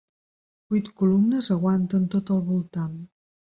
Vuit columnes aguanten tot el voltam.